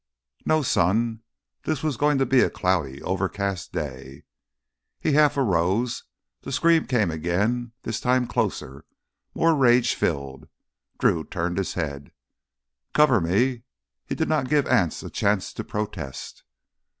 No sun—this was going to be a cloudy, overcast day. He half arose. That scream came again, this time closer, more rage filled. Drew turned his head. "Cover me!" He did not give Anse a chance to protest.